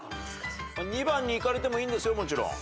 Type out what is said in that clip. ２番にいかれてもいいんですよもちろん。